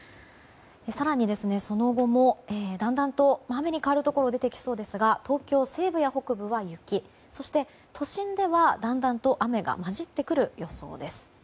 更に、その後もだんだんと雨に変わるところが出てきそうですが東京西部や北部は雪都心ではだんだんと雨が交じってくる予想です。